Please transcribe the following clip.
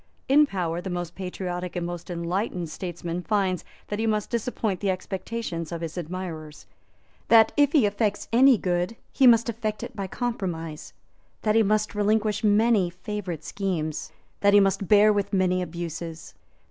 In power the most patriotic and most enlightened statesman finds that he must disappoint the expectations of his admirers; that, if he effects any good, he must effect it by compromise; that he must relinquish many favourite schemes; that he must bear with many abuses.